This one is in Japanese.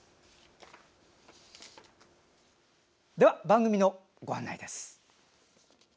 番組のご案内です。